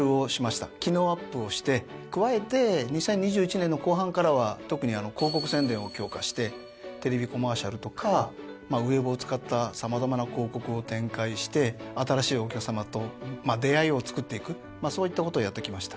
機能アップをして加えて２０２１年の後半からは特に広告宣伝を強化してテレビコマーシャルとかウェブを使った様々な広告を展開して新しいお客さまと出会いをつくっていくそういったことをやってきました。